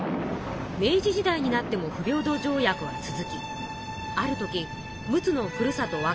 明治時代になっても不平等条約は続きある時陸奥のふるさと